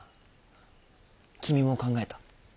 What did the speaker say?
君も考えた？